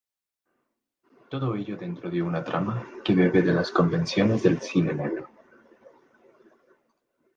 Todo ello dentro de una trama que bebe de las convenciones del cine negro.